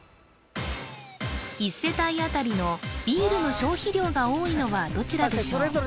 １世帯あたりのビールの消費量が多いのはどちらでしょう